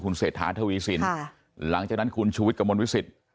คุณเสธาเทวีสินหลังจากนั้นคุณชุวิทรกับมนตร์วิสิต